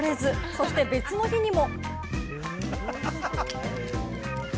そして別の日にも。